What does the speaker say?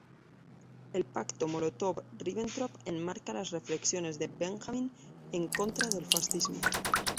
El pacto Molotov–Ribbentrop enmarca las reflexiones de Benjamin en contra del fascismo.